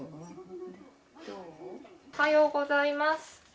おはようございます。